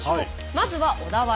まずは小田原。